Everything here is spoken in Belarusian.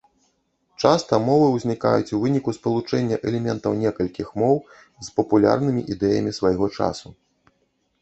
Часта мовы узнікаюць у выніку спалучэння элементаў некалькіх моў з папулярнымі ідэямі свайго часу.